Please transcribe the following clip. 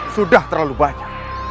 sudah terlalu banyak